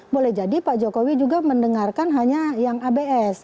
boleh jadi pak jokowi juga mendengarkan hanya yang abs